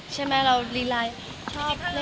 มีปิดฟงปิดไฟแล้วถือเค้กขึ้นมา